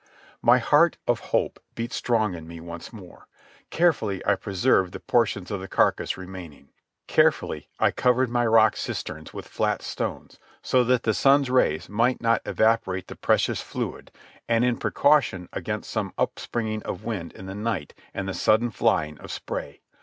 My heart of hope beat strong in me once more. Carefully I preserved the portions of the carcass remaining. Carefully I covered my rock cisterns with flat stones so that the sun's rays might not evaporate the precious fluid and in precaution against some upspringing of wind in the night and the sudden flying of spray.